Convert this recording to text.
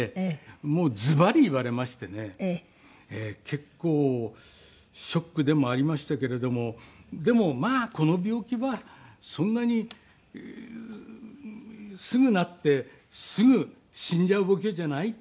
結構ショックでもありましたけれどもでもまあこの病気はそんなにすぐなってすぐ死んじゃう病気じゃないと。